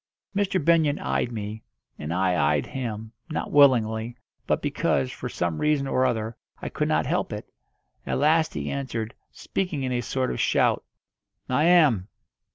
Mr. Benyon eyed me, and I eyed him not willingly, but because, for some reason or other, I could not help it. At last he answered, speaking in a sort of shout, "I am."